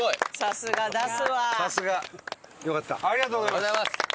ありがとうございます！